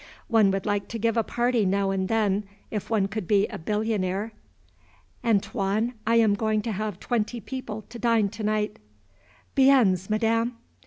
One would like to give a party now and then, if one could be a billionaire. "Antoine, I am going to have twenty people to dine to day." "Biens, Madame."